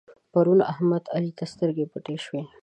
پرون د احمد؛ علي ته سترګې پټې شوې.